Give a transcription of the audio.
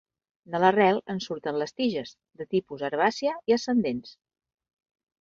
De l'arrel en surten les tiges, de tipus herbàcia i ascendents.